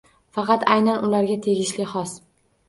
Faqat aynan ularga tegishli xos.